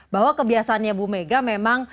bahwa kebiasaannya bu mega memang